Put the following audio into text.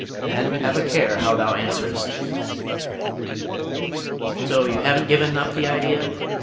And have a care how thou answerest." "So you haven't given up the idea?"